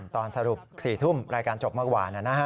ตอนสรุป๔ทุ่มรายการจบมากว่าน่ะนะฮะ